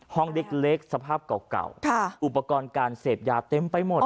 ห้องเล็กสภาพเก่าอุปกรณ์การเสพยาเต็มไปหมด